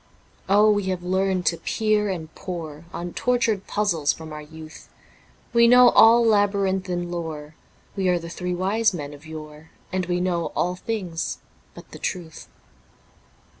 Oh, we have learnt to peer and pore On tortured puzzles from our youth. We know all labyrinthine lore, We are the three Wise Men of yore, And we know all things but the truth.